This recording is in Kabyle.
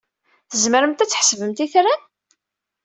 Tzemremt ad tḥesbemt itran?